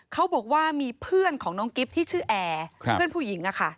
เขาบอกว่ามีเพื่อนของน้องกิ๊บที่ชื่อแอร์เพื่อนผู้หญิง